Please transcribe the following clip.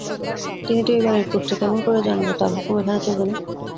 তিনি তো এ বাড়ির কর্ত্রী, কেমন করে জানব তাঁর হুকুম এখানে চলবে না?